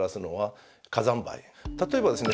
例えばですね